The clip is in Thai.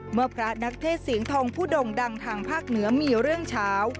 เมื่อพระนักเทศเสียงทองผู้ด่งดังทางภาคเหนือมีเรื่องเช้า